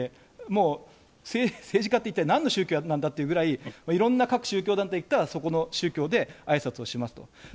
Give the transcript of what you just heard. もう政治家って一体なんの宗教なんだっていうぐらい、いろんな各宗教団体行ったら、そこの宗教であいさつをしますと。